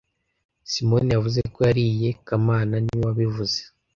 Simoni yavuze ko yariye kamana niwe wabivuze